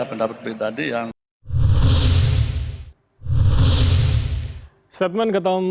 pendapat pribadi yang